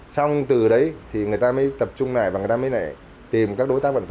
xong từ đấy thì người ta mới tập trung lại và người ta mới lại tìm các đối tác vận tải